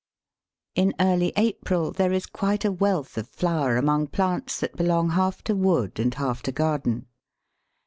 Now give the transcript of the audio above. In early April there is quite a wealth of flower among plants that belong half to wood and half to garden.